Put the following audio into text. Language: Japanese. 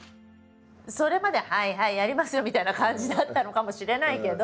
それまではいはいやりますよみたいな感じだったのかもしれないけど。